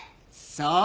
そう。